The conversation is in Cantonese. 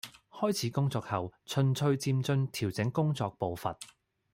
開始工作後，循序漸進調整工作步伐